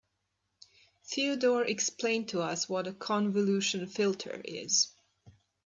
Theodore explained to us what a convolution filter is.